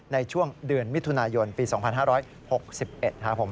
ในช่วงเดือนมิถุนายนปี๒๕๖๑ครับผม